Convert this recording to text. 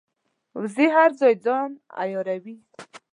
وزې هر ځای ځان عیاروي